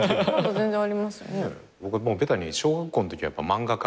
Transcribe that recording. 僕はもうベタに小学校のとき漫画家。